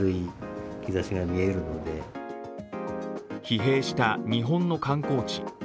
疲弊した日本の観光地。